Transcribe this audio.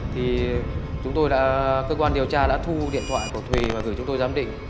thì chúng tôi cơ quan điều tra đã thu điện thoại của thùy và gửi chúng tôi giám định